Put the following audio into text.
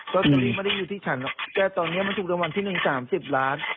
โรตเตอรี่ไม่ได้อยู่ที่ฉันแต่ตอนเนี้ยมันถูกรางวัลที่หนึ่งสามสิบล้าน